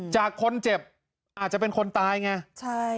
จากคนเจ็บอาจจะเป็นคนตายไงใช่